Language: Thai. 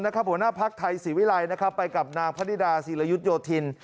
หัวหน้าภักดิ์ไทยศรีวิรัยไปกับนางพนิดาศิรยุทธโยธิน